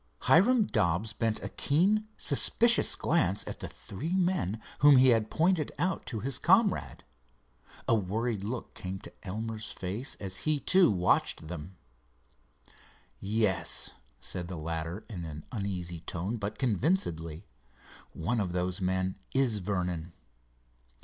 Hiram Dobbs bent a keen, suspicious glance at the three men whom he had pointed out to his comrade. A worried look came into Elmer's face as he, too, watched them. "Yes," said the latter in an uneasy tone, but convincedly, "one of those men is Vernon."